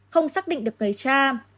không xác định được người cha